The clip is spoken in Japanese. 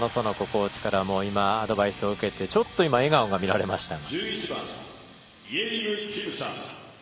コーチからもアドバイスを受けてちょっと今笑顔が見られました。